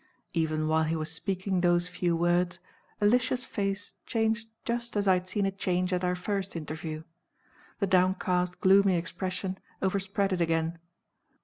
Even while he was speaking those few words, Alicia's face changed just as I had seen it change at our first interview. The downcast, gloomy expression overspread it again.